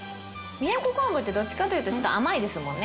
都こんぶってどっちかっていうとちょっと甘いですもんね